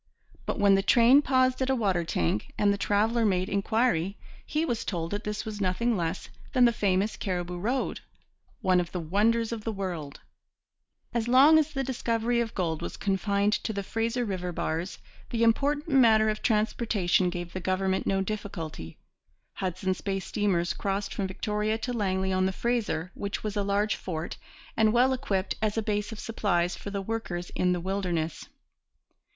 But when the train paused at a water tank, and the traveller made inquiry, he was told that this was nothing less than the famous Cariboo Road, one of the wonders of the world. [Illustration: The Cariboo Road. From a photograph.] As long as the discovery of gold was confined to the Fraser river bars, the important matter of transportation gave the government no difficulty. Hudson's Bay steamers crossed from Victoria to Langley on the Fraser, which was a large fort and well equipped as a base of supplies for the workers in the wilderness.